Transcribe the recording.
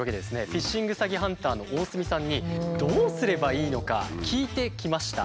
フィッシング詐欺ハンターの大角さんにどうすればいいのか聞いてきました。